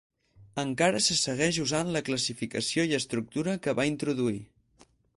Encara se segueix usant la classificació i estructura que va introduir.